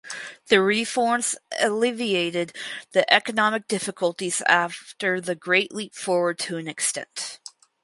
The reforms alleviated the economic difficulties after the Great Leap Forward to an extent.